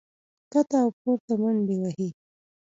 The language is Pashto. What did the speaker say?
ښکته او پورته منډې وهي